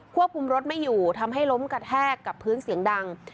ควบคุมรถไม่อยู่ทำให้ล้มกระแทกกับพื้นเสียงดัง